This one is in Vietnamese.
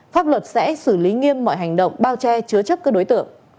pháp luật sẽ xử lý nghiêm mọi hành động bao che chứa chấp các đối tượng